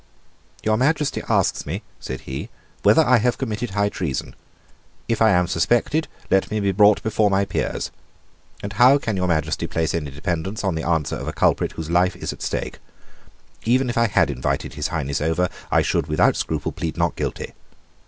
"Your Majesty asks me," said he, "whether I have committed high treason. If I am suspected, let me be brought before my peers. And how can your Majesty place any dependence on the answer of a culprit whose life is at stake? Even if I had invited His Highness over, I should without scruple plead Not Guilty."